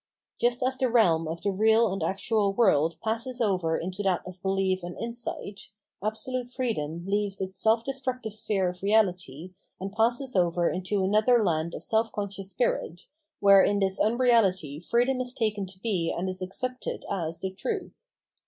Just as the realm of the real and actual world passes over into that of belief and insight, absolute freedom leaves its self destructive sphere of reahty, and passes over into another land of seE conscious spirit, where in this unreality freedom is taken to be and is accepted as the truth.